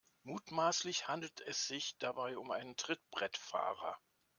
Mutmaßlich handelt es sich dabei um einen Trittbrettfahrer.